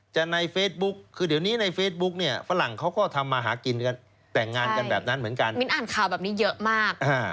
ในเฟซบุ๊กคือเดี๋ยวนี้ในเฟซบุ๊กเนี่ยฝรั่งเขาก็ทำมาหากินกันแต่งงานกันแบบนั้นเหมือนกันมิ้นอ่านข่าวแบบนี้เยอะมาก